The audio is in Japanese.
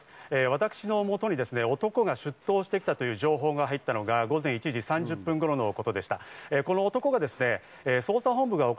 私の元に男が出頭してきたという情報が入ったのが午前１時３０分頃のことでした。